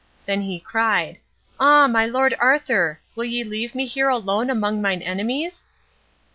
Then he cried: "Ah, my lord Arthur, will ye leave me here alone among mine enemies?"